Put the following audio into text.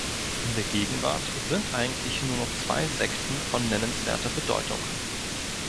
In der Gegenwart sind eigentlich nur noch zwei Sekten von nennenswerter Bedeutung.